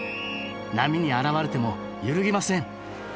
波に洗われても揺るぎません。